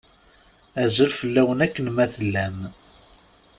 Azul fell-awen akken ma tellam.